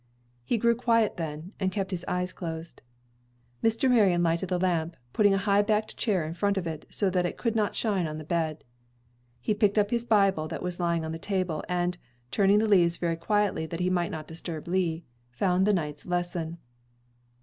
He grew quiet then, and kept his eyes closed. Mr. Marion lighted the lamp, putting a high backed chair in front of it, so that it could not shine on the bed. He picked up his Bible that was lying on the table, and, turning the leaves very quietly that he might not disturb Lee, found the night's lesson.